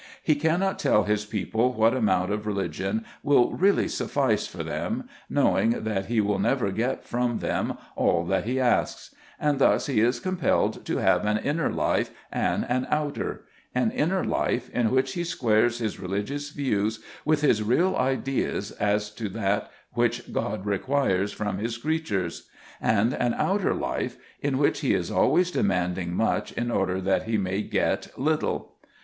He cannot tell his people what amount of religion will really suffice for them, knowing that he will never get from them all that he asks; and thus he is compelled to have an inner life and an outer, an inner life, in which he squares his religious views with his real ideas as to that which God requires from his creatures; and an outer life, in which he is always demanding much in order that he may get little.